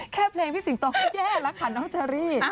แค่เพลงพี่สิงโตแย่แหละค่ะน้องจารี่